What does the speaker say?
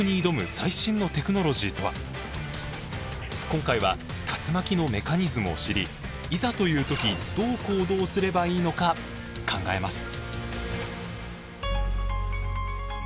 今回は竜巻のメカニズムを知りいざという時どう行動すればいいのか考えます。